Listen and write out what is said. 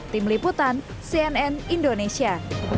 tim liputan cnn indonesia